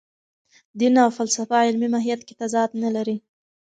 دین او فلسفه علمي ماهیت کې تضاد نه لري.